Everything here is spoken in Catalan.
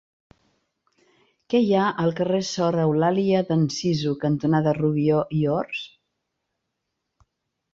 Què hi ha al carrer Sor Eulàlia d'Anzizu cantonada Rubió i Ors?